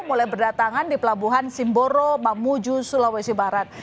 mulai berdatangan di pelabuhan simboro mamuju sulawesi barat